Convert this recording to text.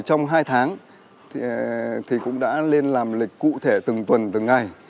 trong hai tháng thì cũng đã lên làm lịch cụ thể từng tuần từng ngày